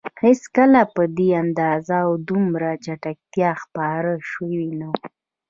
هېڅکله په دې اندازه او دومره چټکتیا خپاره شوي نه وو.